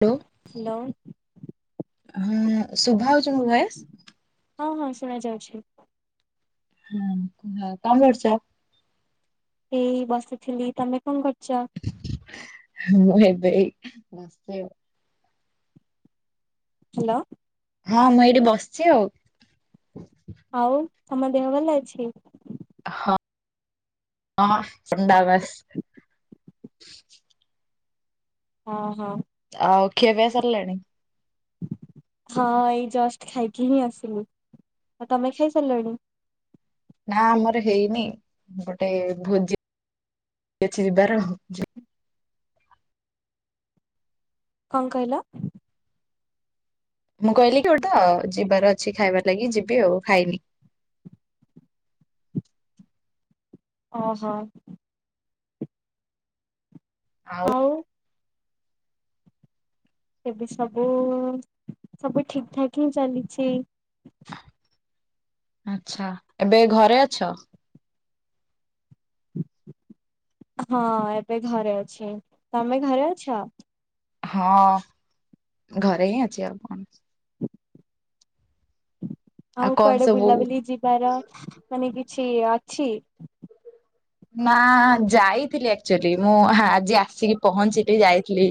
Hello ଲୋ। ହଁ ଶୁଭା ହଉଚି ମୋ ଭଏ ହଁ ହଁ ଶୁଣା ଯାଉଛି। ହୁଁ ହଁ କଁ କରଚ? ଏଇ ବସିଥିଲି ତମେ କଁ କରଚ? ମୁଁ ଏବେ ଏଇ ବସିଚି ଆଉ। ହାଲୋ। ହଁ ମୁଁ ଏଇଠି ବସିଚି ଆଉ। ଆଉ ତମ ଦେହ ଭଲ ଅଛି? ହ କଁ ସେମତା ବାସ୍। ହଁ ହଁ। ଆଉ ଖିଆ ପିଆ ସରଲାଣି? ହଁ ଏଇ ଜଷ୍ଟ ଖାଇକି ହିଁ ଆସିଲି। ଆଉ ତମେ ଖାଇସାରଲଣି? ନାଁ ଆମର ହେଇନି ଗୋଟେ ଭୋଜି ଅଛି ଯିବାର ଯି କଁ କହିଲ? ମୁଁ କହିଲି କି ଗୋଟା ଯିବାର ଅଛି ଖାଇବା ଲାଗି ଯିବି ଆଉ ଖାଇନି। ଓହୋ। ଆଉ? ଏବେ ସବୁ ସବୁ ଠିକ୍ ଠାକ୍ ହିଁ ଚାଲିଛି। ଆଚ୍ଛା ଏବେ ଘରେ ଅଛ? ହଁ ଏବେ ଘରେ ଅଛି। ତମେ ଘରେ ଅଛ? ହଁ ଘରେ ହିଁ ଅଛି ଆଉ। କଣ। ଆଉ କଣ କୁଆଡ଼େ ସବୁ ବୁଲାବୁଲି ଯିବାର ମାନେ କିଛି ଅଛି? ନାଁ ଯାଇଥିଲି ଆକ୍ଚୁଆଲି ମୁଁ ଆଜି ଆସିକି ପହଞ୍ଚିଲି ଯାଇଥିଲି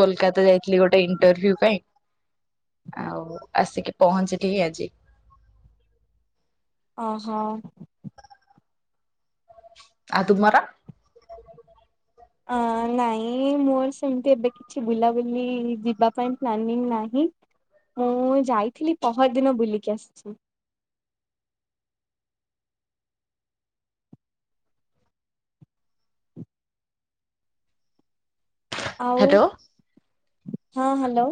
କୋଲକାତା ଯାଇଥିଲି ଗୋଟେ ଇଣ୍ଟରଭ୍ୟୁ ପାଇଁ। ଆଉ ଆସିକି ପହଞ୍ଚିଲିି ହି ଆଜି। ଅହ। ଆ ତୁମର? ଅ ନାଇଁ ମୋର ସେମତି ଏବେ ଛି ବୁଲାବୁଲି ଯିବା ପାଇଁ ପ୍ଲାନିଂ ନାହିଁ। ମୁଁ ଯାଇଥିଲି ପହରଦିନ ବୁଲିକି ଆସିଚି। ଆଉ ହ୍ୟାଲୋ ହଁ ହାଲୋ।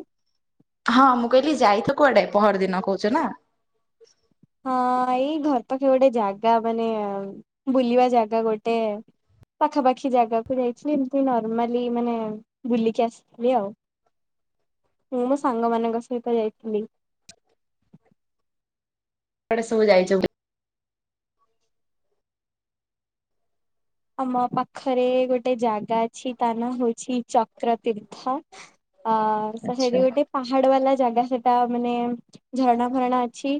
ହଁ ମୁଁ କହିଲି ଯାଇଥିଲ କୁଆଡ଼େ ପହର ଦିନ କହୁଚା ନା। ହଁ ଏଇ ଘର ପାଖେ ଗୋଟେ ଜାଗା ମାନେ ବୁଲିବା ଜାଗା ଗୋଟେ ପାଖାପାଖି ଜାଗାକୁ ଯାଇଥିଲି। ଏମିତି ନର୍ମାଲି ମାନେ ବୁଲିକି ଆସି ଥିଲି ଆଉ ମୁଁ ମୋ ସାଙ୍ଗ ମାନଙ୍କ ସହିତ ଯାଇଥିଲି। କୁଆଡେ଼ ସବୁ ଯାଇଚ ବୁଲି? ଆମ ପାଖରେ ଗୋଟେ ଜାଗା ଅଛି ତା ନାଁ ହଉଛି ଚକ୍ର ତୀର୍ଥ। ଅ ଆଚ୍ଛା ସେଇଠି ଗୋଟେ ପାହାଡ ବାଲା ଜାଗା ସେଟା ମାନେ ଝରଣା ଫରଣା ଅଛି।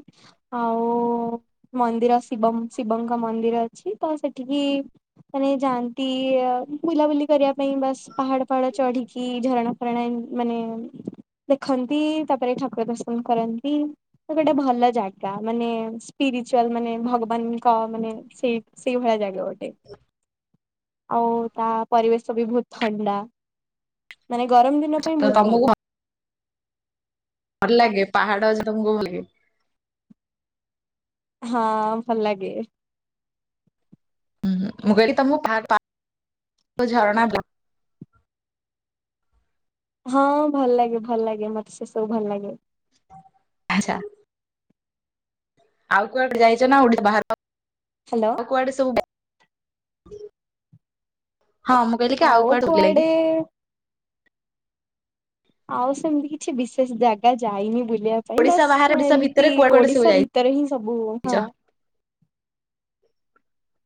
ଆଉ ମନ୍ଦିର ଶିବ ଶିବଙ୍କ ମନ୍ଦିର ଅଛି ତ ସେଠିକି ମାନେ ଯାଆନ୍ତି ଇଏ ବୁଲାବୁଲି କରିବା ପାଇଁ ବାସ ପାହାଡ ତଳେ ଚଢିକି ଝରଣା ପ୍ରଣାୟ ମାନେ ଦେଖନ୍ତି ତାପରେ ଠାକୁର ଦର୍ଶନ କରନ୍ତି। ଗୋଟେ ଭଲ ଜାଗା ମାନେ ସ୍ପିରିଚୁଆଲ ମାନେ ଭଗବାନଙ୍କ ମାନେ ସେଇ ସେଇଭଳିଆ ଜାଗା ଗୋଟେ। ଆଉ ତା ପରିବେଶ ବି ବହୁତ ଥଣ୍ଡା ମାନେ ଗରମ ଦିନ ପାଇଁ ତ ବହୁତ ଭଲ। ତମକୁ ଭଲ ଲାଗେ ପାହାଡ ଚଢିବାକୁ ଭଲ ଲାଗେ। ହଁ ଭଲ ଲାଗେ। ହଁ ମୁଁ କହିଲି ତମୁକୁ ଫାକ୍ ପା ଝରଣା ହଁ ଭଲ ଲାଗେ ଭଲ ଲାଗେ ମତେ ସେ ସବୁ ଭଲ ଲାଗେ। ଆଛା। ଆଉ କୁଆଡେ ଯାଇଚ ନା ଓଡ଼ିଶା ବାହାର? ହ୍ୟାଲୋ। ଆଉ କୁଆଡେ ସବୁ। ହଁ ମୁଁ କହିଲି କି ଆଉ କୁଆଡେ ଆଉ ସେମିତି କିଛି ବିଶେଷ ଜାଗା ଯାଇନି ବୁଲିବା ପାଇଁ। ଓଡିଶା ବାସ୍ ବାହାରେ ଓଡିଶା ଭିତରେ ଏମତି କୁଆଡେ କୁଆଡେ ସବୁ ଓଡିଶା ଭିତ ଭିତରେ ହିଁ ସବୁ ହଁ। ଯାଇଛ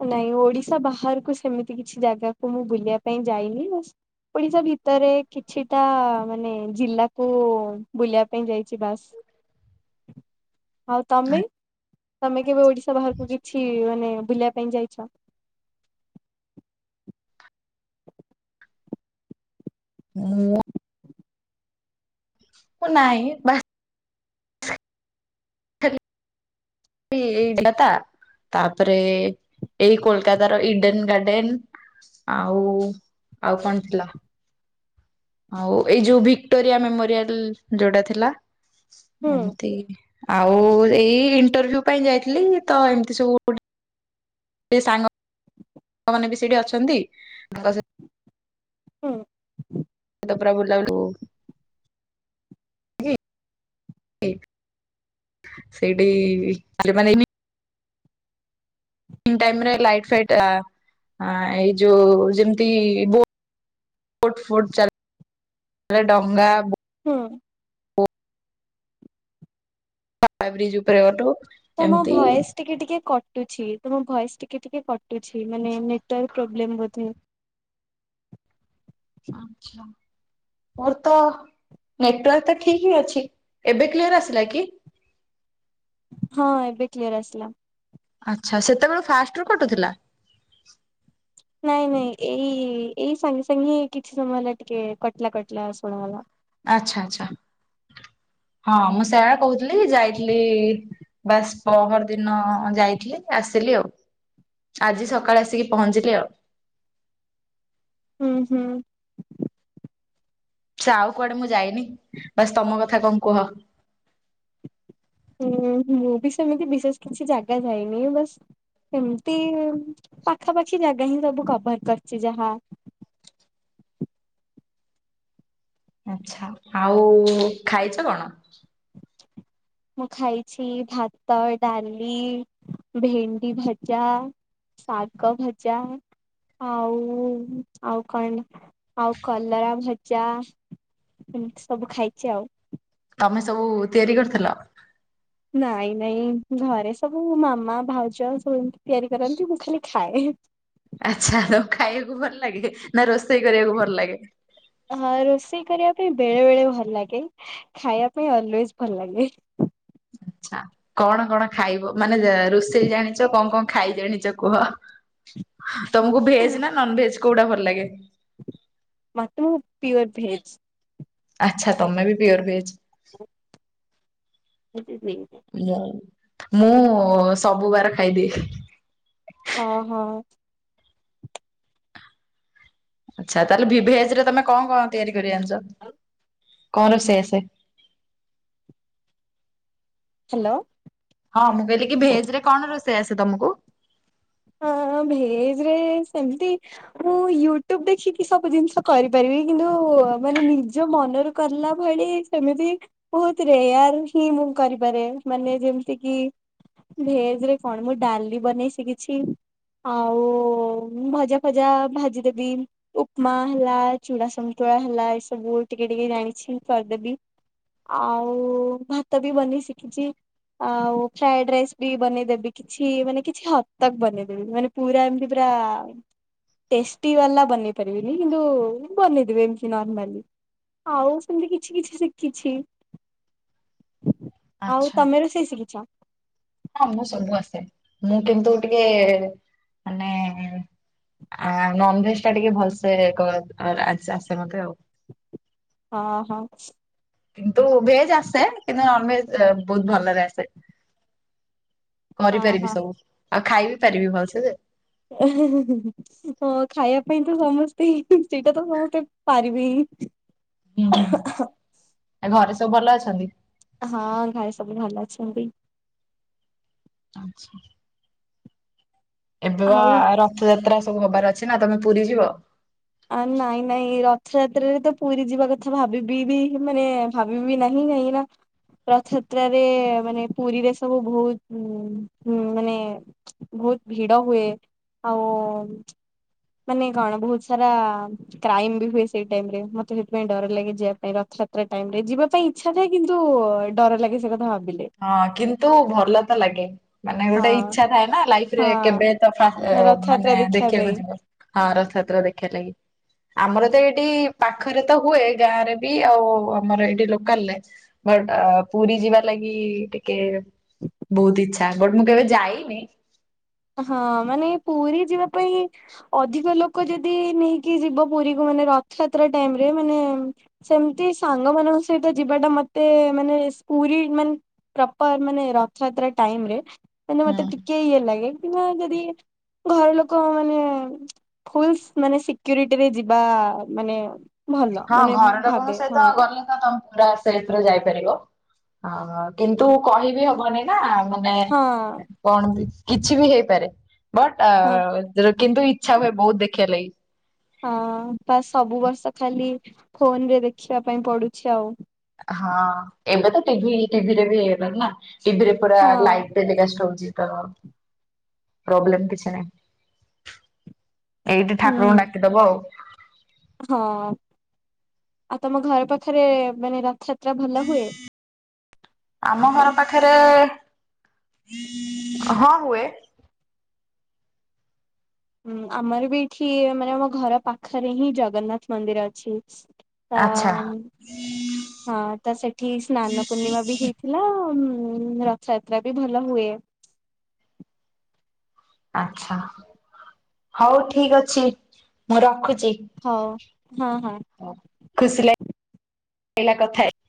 ନାଇଁ ଓଡିଶା ବାହାରକୁ ସେମିତି କିଛି ଜାଗାକୁ ମୁଁ ବୁଲିବା ପାଇଁ ଯାଇନି ବାସ୍। ଓଡିଶା ଭିତରେ କିଛିଟା ମାନେ ଜିଲ୍ଲାକୁ ବୁଲିବା ପାଇଁ ଯାଇଛି ବାସ୍। [inaudible] ଆଉ ତମେ? ତମେ କେବେ ଓଡିଶା ବାହାରକୁ କିଛି ମାନେ ବୁଲିବା ପାଇଁ ଯାଇଛ? ମୁଁ। ମୁଁ ନାଇଁ ବା [inaudible] ଏଇତା [inaudible] ତାପରେ ଏଇ କୋଲକାତାର ଇଡେନ ଗାର୍ଡେନ। ଆଉ ଆଉ କଣ ଥିଲା। ଆଉ ଏଇ ଯୋଉ ଭିକ୍ଟୋରିଆ ମେମୋରିଆଲ ଯୋଉଟା ଥିଲା। ହୁଁ ଏମତି ଆଉ ଏଇ ଇଣ୍ଟରଭ୍ୟୁ ପାଇଁ ଯାଇଥିଲି ତ ଏମିତି ସବୁ ଗୋଟେ ଗୋଟେ ସାଙ୍ଗ ସାଙ୍ଗ ମାନେବି ସେଇଠି ଅଛନ୍ତି, ତାଙ୍କ ସହି ହୁଁ। ତାପରେ ଆଉ ବୁଲାବୁଲି ସେଇଠି ପିଲେମାନେ ବି ଟାଇମରେ ଲାଇଟ ଫାଇଟ ଆ ଏଇ ଯୋଉ ଯେମିତିବୋ ବୋଟ ଫୋଟ ଚାଲେ ଡଙ୍ଗା ହଁ। ବ୍ରିଜ୍ ଉପରେଠୁ ତମ ଭଏସ ଟିକେ ଟିକେ କଟୁଛି, ତମ ଭଏସ ଟିକେ ଟିକେ କଟ କଟୁଛିମାନେ ନେଟୱାର୍କ ପ୍ରୋବ୍ଲେମ ବଧେ। ଆଛା। ମୋର ତ ନେଟୱାର୍କ ତ ଠିକ ହିଁ ଅଛି। ଏବେ କ୍ଲିୟର ଆସିଲା କି? ହଁ, ଏବେ କ୍ଲିୟର ଆସିଲା। ଆଚ୍ଛା, ସେତେବେଳୁ ଫାଷ୍ଟ ରୁ କଟୁଥିଲା? ନାଇଁ ନାଇଁ ଏଇ-ଏଇ ସାଙ୍ଗେ ସାଙ୍ଗେ କିଛି ସମୟ ହେଲା ଟିକେ କଟିଲା କଟିଲା ଶୁଣାଗଲା। ଆଚ୍ଛା ଆଚ୍ଛା। ହଁ, ମୁଁ ସେଇଆ କହୁଥିଲି ଯାଇଥିଲି ବାସ୍ ପହର ଦିନ ଯାଇଥିଲି ଆସିଲି ଆଉ। ଆଜି ସକାଳେ ଆସିକି ପହଞ୍ଚିଲି ଆଉ। ହୁଁ ହୁଁ। ସେ ଆଉ କୁଆଡ଼େ ମୁଁ ଯାଇନି। ବାସ ତମ କଥା କଣ କୁହ। ହୁଁ, ମୁଁ ବି ସେମିତି ବିଶେଷ କିଛି ଜାଗା ଯାଇନି ବାସ୍ ସେମତି ପାଖାପାଖି ଜାଗା ହିଁ ସବୁ କଭର କରିଛି ଯାହା। ଆଚ୍ଛା। ଆଉ ଖାଇଛ କଣ? ମୁଁ ଖାଇଛି ଭାତ, ଡାଲି, ଭେଣ୍ଡି ଭଜା ଶାଗ ଭଜା ଆଉ ଆଉ କଣ ଆଉ କଲରା ଭଜା ଏମିତି ସବୁ ଖାଇଛି ଆଉ। ତମେ ସବୁ ତିଆରି କରିଥିଲ? ନାଇଁ ନାଇଁ ଘରେ ସବୁ ମାମା, ଭାଉଜ ସବୁ ଏମିତି ତିଆରି କରନ୍ତି, ମୁଁ ଖାଲି ଖାଏ। ଆଚ୍ଛା ତମକୁ ଖାଇବାକୁ ଭଲ ଲାଗେ ନା ରୋଷେଇ କରିବାକୁ ଭଲ ଲାଗେ? ହଁ ରୋଷେଇ କରିବା ପାଇଁ ବେଳେ ବେଳେ ଭଲ ଲାଗେ। ଖାଇବା ପାଇଁ ଅଲୱେଜ ଭଲ ଲାଗେ। ଆଚ୍ଛା। କଣ କଣ ଖାଇବ ମାନେ ରୋଷେଇ ଜାଣିଛ କଣ କଣ ଖାଇ ଜାଣିଛ କୁହ। ତମକୁ ଭେଜ ନା ନନଭେଜ କୋଉଟା ଭଲ ଲାଗେ? ମତେ ମୁଁ ପିଓର ଭେଜ। ଆଚ୍ଛା ତମେ ବି ପିଓର ଭେଜ। [inaudible] ମୁଁ ମୁଁ ସବୁ ବାର ଖାଇଦିଏ। ଓହୋଃ। ଆଚ୍ଛା ତାହେଲେ ଭିଜ୍ ରେ ତମେ କଣ କଣ ତିଆରି କରି ଜାଣିଛ? କଣ ରୋଷେଇ ଆସେ? ହ୍ୟାଲୋ। ହଁ ମୁଁ କହିଲି କି ଭେଜ ରେ କଣ ରୋଷେଇ ଆସେ ତମକୁ? ହଁ ଭେଜରେ ସେମିତି‌ ମୁଁ ୟୁଟ୍ୟୁବ ଦେଖିକି ସବୁ ଜିନିଷ କରିପାରିବି। କିନ୍ତୁ ମାନେ ନିଜ ମନରୁ କରିଲା ଭଳି ସେମିତି ବହୁତ ରେୟାର ହିଁ ମୁଁ କରିପାରେ। ମାନେ ଯେମିତି କି ଭେଜ ରେ କଣ ମୁଁ ଡାଲି ବନେଇ ଶିକିିଛି। ଆଉ ଭଜା-ଫଜା ଭାଜିଦେବି। ଉପମା ହେଲା, ଚୁଡ଼ା ସନ୍ତୁଳା ହେଲା ଏ ସବୁ ଟିକେ ଟିକେ ଜାଣିଛି କରିଦେବି। ଆଉ ଭାତ ବି ବନେଇ ଶିଖିଛି। ଆଉ ଫ୍ରାଏଡ ରାଇସ୍ ବି ବନେଇଊଦେବି କିଛି ମାନେ କିଛି ହ ଦ୍ ତକ୍ ବନେଇ ଦେବି। ମାନେ ପୁରା ଏମିତି ପୁରା ଟେଷ୍ଟି ବାଲା ବନେଇ ପାରିବିନି କିନ୍ତୁ ବନେଇ ଦେବି ଏମିତି ନର୍ମାଲ। ଆଉ ସେମିତି କିଛି କିଛି ଶିଖିଛି। [inaudible] ଆଉ ତମେ ରୋଷେଇ ଶିଖିଛ? ହଁ ମୁଁ ସବୁ ଆସେ। ମୁଁ କିନ୍ତୁ ଟିକେ ମାନେ ଆ ନନ୍ ଭେଜ ଟା ଟିକେ ଭଲସେ କରେ ଆ-ଆସେ ମତେ ଆଉ। ହଁ ହଁ। କିନ୍ତୁ ଭେଜ ଆସେ କିନ୍ତୁ ନନ ଭେଜ ବହୁତ ଭଲରେ ଆସେ। ହଁ ହଁ। କରିପାରିବି ସବୁ ଆଉ ଖାଇବି ପାରିବି ଭଲସେ ଯେ। [unintelligible] ହଁ ଖାଇବା ପାଇଁ ତ ସମସ୍ତେ ସେଇଟା ତ ସମସ୍ତେ ପାରିବେ ହିଁ। ହୁଁ ହୁଁ ହୁଁ। ଆ ଘରେ ସବୁ ଭଲ ଅଛନ୍ତି? ହଁ ଘରେ ସବୁ ଭଲ ଅଛନ୍ତି। ଆଚ୍ଛା। ଏବେ ବା ଆଉ ରଥଯାତ୍ରା ସବୁ ହବାର ଅଛି ନା ତମେ ପୁରୀ ଯିବ? ଆ ନାଇଁ ନାଇଁ ରଥଯାତ୍ରାରେ ତ ପୁରୀ ଯିବା କଥା ଭାବିବି ବି ମାନେ ଭାବିବି ନାହିଁ କାହିଁକିନା ରଥଯାତ୍ରରେ ମାନେ ପୁରୀରେ ସବୁ ବହୁତ ମାନେ ବହୁତ ଭିଡ ହୁଏ ଆଉ ମାନେ କଣ ପୁଜ୍। [unintelligible] କ୍ରାଇମ ବି ହୁଏ ସେଇ ଟାଇମ ରେ ମତେ ସେଥିପାଇଁ ଡର ଲାଗେ ଯିବା ପାଇଁ ରଥଯାତ୍ରା ଟାଇମ ରେ ଯିବା ପାଇଁ ଇଛା ଥାଏ କିନ୍ତୁ ଡର ଲାଗେ ସେ କଥା ଭାବିଲେ। ହଁ କିନ୍ତୁ ଭଲ ତ ଲାଗେ। ମାନେ ଗୋଟେ ହଁ ଇଛା ଥାଏ ନା ଲାଇଫରେ ହଁ। କେବେ ତ ଫ ରଥଯାତ୍ରା ମାନେ ଦେଖିବା ପାଇଁ ଦେଖିବାକୁ ଯିବ। ହଁ ରଥଯାତ୍ରା ଦେଖିବା ଲାଗି ଆମର ତ ଏଠି ପାଖରେ ତ ହୁଏ ଗାଁ ରେ ବି ଆଉ ଆମର ଏଠି ଲୋକାଲ ଲେ। ବଟ ପୁରୀ ଯିବା ଲାଗି ଟିକେ ବହୁତ ଇଚ୍ଛା। ବଟ ମୁଁ କେବେ ଯାଇନି ହଁ ମାନେ ପୁରୀ ଯିବା ପାଇଁ ଅଧିକ ଲୋକ ଯଦି ନେଇକି ଯିବ ପୁରୀକୁ ମାନେ ରଥଯାତ୍ରା ଟାଇମରେ ମାନେ ସେମିତି ସାଙ୍ଗମାନଙ୍କ ସହିତ ଯିବାଟା ମତେ ମାନେ ପୁରୀ ମାନେ ପ୍ରପର ମାନେ ରଥଯାତ୍ରା ଟାଇମରେ ମାନେ ମତେ ହୁଁ ଟିକେ ଇଏ ଲାଗେ କିମ୍ବା ଯଦି ଘର ଲୋକ ମାନେ ଫୁଲଶ୍ ମାନେ ସିକ୍ୟୁରିଟିରେ ଯିବା ମାନେ ଭଲ ହଁ ମାନେ ମୁଁ ଘର ଲୋକଙ୍କ ଭାବେ ସହିତ ହଁ ଗଲେ ତ ତମେ ପୁରା ସେଫରେ ଯାଇପାରିବ। ଆ କିନ୍ତୁ କହିବି ହବନି ନା ମାନେ କଣ କିଛି ବି ହେଇପାରେ? ହଁ ବଟ୍ କିନ୍ତୁ ଇଚ୍ଛା ହୁଏ ବହୁତ ଦେଖିବା ଲାଗି। ହଁ ବା ସବୁ ବର୍ଷ ଖାଲି ଫୋନରେ ଦେଖିବା ପାଇଁ ପଡୁଛି ଆଉ। ହଁ ଏବେ ତ ଟିଭି ଟିଭିରେ ବି ହେଇଗଲଣିି ନା। ଟିଭିରେ ପୁରା ହଁ ଲାଇଭ ଟେଲିକାଷ୍ଟ ହଉଚି ତ ପ୍ରୋବ୍ଲେମ୍ କିଛି ନାହିଁ। ଏଇଠି ହୁଁ ଠାକୁରଙ୍କୁ ଡାକିଦବ ଆଉ। ହଁ ଆଉ ତମ ଘର ପାଖରେ ମାନେ ରଥଯାତ୍ରା ଭଲ ହୁଏ। ଆମ ଘର ପାଖରେ ହଁ ହୁଏ। ହୁଁ ଆମର ବି ଏଠି ମାନେ ଆମ ଘର ପାଖରେ ହିଁ ଜଗନ୍ନାଥ ମନ୍ଦିର ଅଛି। ଆଚ୍ଛା ହଁ ହଁ ତ ସେଠୀ ସ୍ନାନ ପୂର୍ଣ୍ଣିମା ବି ହେ ଥିଲା ରଥଯାତ୍ରା ବି ଭଲ ହୁଏ। ଆଛା ହଉ ଠିକ ଅଛି ମୁଁ ରଖୁଛି। ହଉ ହଁ ହଁ। ଖୁସି ଲାଗ ଲିଲା କଥା ହେଇ